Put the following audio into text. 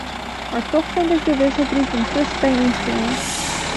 Maar toch vind ik de wisselbrief een te streng instrument.